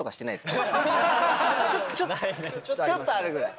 ちょっとあるぐらい。